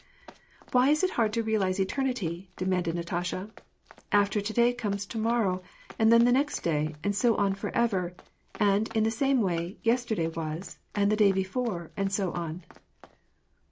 " Why is it hard to realize eternity ?" demanded Natasha. '^ After to day comes to morrow, and then the next day, and so on forever ; and, in the same way, yesterday was, and then the day before, and so on."